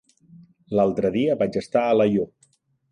L'altre dia vaig estar a Alaior.